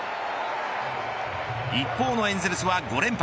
一方のエンゼルスは５連敗。